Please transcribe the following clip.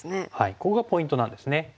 ここがポイントなんですね。